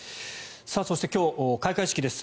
そして、今日開会式です。